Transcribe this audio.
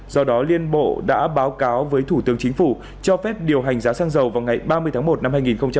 do đó liên bộ đã báo cáo với thủ tướng chính phủ cho phép điều hành giá xăng dầu vào ngày ba mươi tháng một năm hai nghìn hai mươi